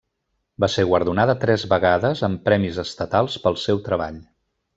Va ser guardonada tres vegades amb premis estatals pel seu treball.